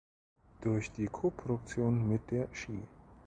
Durch die Koproduktion mit der cie.